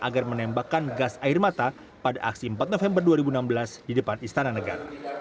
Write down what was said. agar menembakkan gas air mata pada aksi empat november dua ribu enam belas di depan istana negara